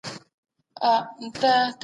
ایا دا ستاسو خپله کارخانه ده؟